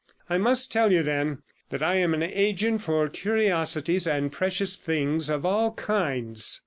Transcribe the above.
I must tell you, then, that I am an agent for curiosities and precious things of all kinds.